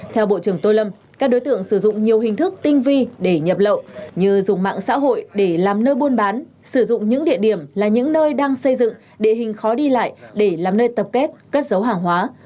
theo bộ trưởng tô lâm các đối tượng sử dụng nhiều hình thức tinh vi để nhập lậu như dùng mạng xã hội để làm nơi buôn bán sử dụng những địa điểm là những nơi đang xây dựng địa hình khó đi lại để làm nơi tập kết cất dấu hàng hóa